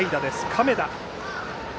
亀田。